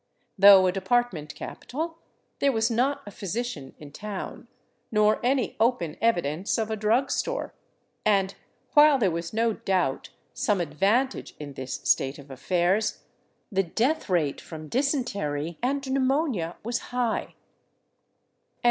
Though a de partment capital, there was not a physician in town, nor any open evi dence of a drug store ; and while there was no doubt some advantage in this state of affairs, the death rate from dysentery and pneumonia was high.